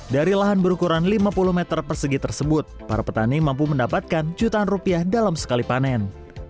dari lahan berukuran lima puluh meter persegi tersebut para petani mampu mendapatkan jutaan rupiah dalam sekali panen